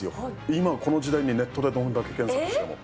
今この時代にネットでどんだけ検索しても。